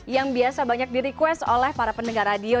yang biasa banyak di request oleh para pendengar radio